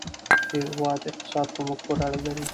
د هېواد اقتصاد په موږ پورې اړه لري.